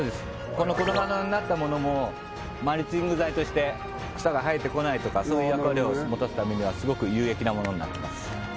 この粉々になったものもマルチング材として草が生えてこないとかそういう役割を持たすためにはすごく有益なものになってます